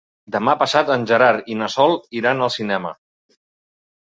Demà passat en Gerard i na Sol iran al cinema.